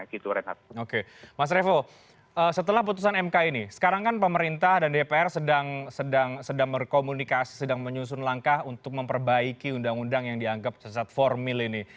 oke mas revo setelah putusan mk ini sekarang kan pemerintah dan dpr sedang berkomunikasi sedang menyusun langkah untuk memperbaiki undang undang yang dianggap sesat formil ini